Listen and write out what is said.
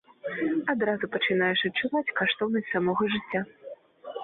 Адразу пачынаеш адчуваць каштоўнасць самога жыцця.